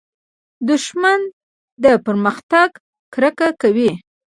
دښمن له پرمختګه کرکه کوي